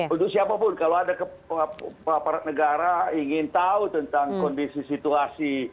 untuk siapapun kalau ada negara ingin tahu tentang kondisi situasi